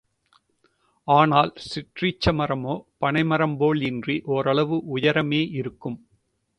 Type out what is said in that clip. ஆனால், சிற்றீச்ச மரமோ, பனை மரம் போல் இன்றி ஓரளவு உயரமே இருக்கும்.